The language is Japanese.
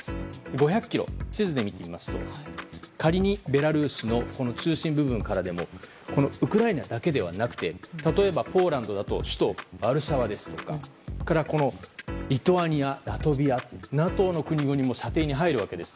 ５００ｋｍ、地図で見てみますと仮に、ベラルーシの中心部分からでもウクライナだけではなくて例えばポーランドだと首都ワルシャワですとかリトアニア、ラトビアというＮＡＴＯの国々も射程に入るわけです。